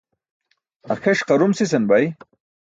Akʰeṣ qarum sisan bay.